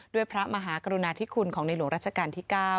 พระมหากรุณาธิคุณของในหลวงราชการที่๙